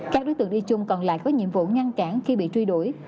các đối tượng đi chung còn lại có nhiệm vụ ngăn cản khi bị truy đuổi